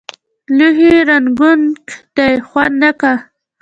لوښي رنګونک دي خوند نۀ که